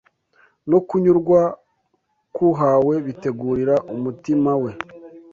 no kunyurwa k’uhawe bitegurira umutima we